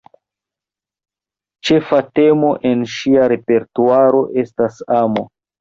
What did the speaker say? Ĉefa temo en ŝia repertuaro estas amo.